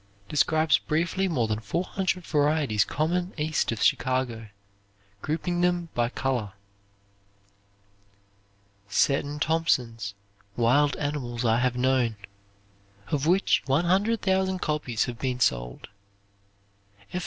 Describes briefly more than 400 varieties common east of Chicago, grouping them by color. Seton Thompson's "Wild Animals I have Known"; of which 100,000 copies have been sold. F. A.